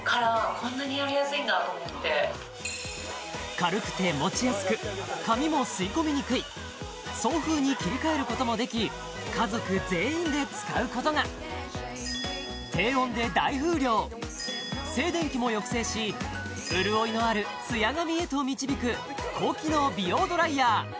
軽くて持ちやすく髪も吸い込みにくい送風に切り替えることもでき家族全員で使うことが低温で大風量静電気も抑制し潤いのあるツヤ髪へと導く高機能美容ドライヤー